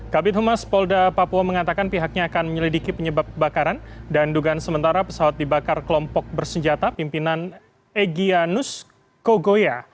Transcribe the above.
kabit humas polda papua mengatakan pihaknya akan menyelidiki penyebab kebakaran dan dugaan sementara pesawat dibakar kelompok bersenjata pimpinan egyanus kogoya